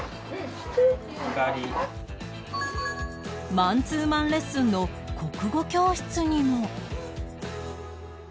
マンツーマンレッスンの国語教室にも